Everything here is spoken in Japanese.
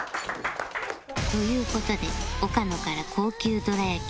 という事で岡野から高級どら焼き